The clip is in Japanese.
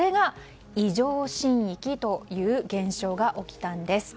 異常震域という現象が起きたんです。